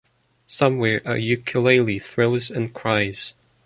Somewhere a ukulele thrills and cries.